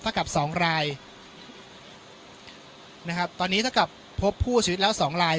ถ้ากับสองรายนะครับตอนนี้ถ้ากลับพบผู้ชีวิตแล้วสองราย